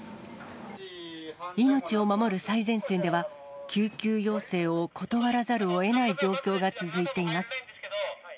命を守る最前線では、救急要請を断らざるをえない状況が続いています。